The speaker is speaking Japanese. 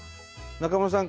中村さん。